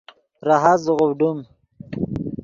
راحت زیغوڤڈیم